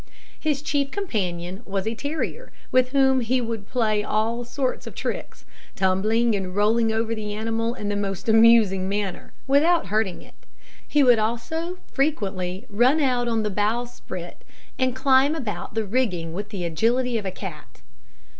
His chief companion was a terrier, with whom he would play all sorts of tricks tumbling and rolling over the animal in the most amusing manner, without hurting it. He would also frequently run out on the bowsprit, and climb about the rigging with the agility of a cat.